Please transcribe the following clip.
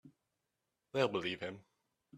They'll believe him.